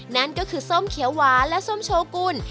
นั่นก็คือส้มเขียวหวานและส้มโชกุล